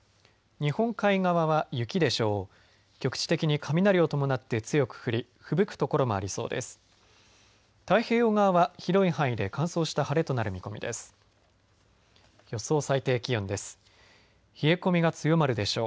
日本海側は雪でしょう。